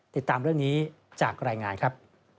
ติดตามเรื่องนี้จากรายงานครับ